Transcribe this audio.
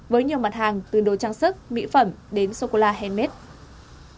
với nhiều mặt hàng từ đồ trang sức mỹ phẩm đến sô cô la handmade